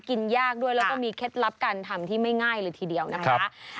กินยากด้วยแล้วก็มีเคล็ดลับการทำที่ไม่ง่ายเลยทีเดียวนะคะ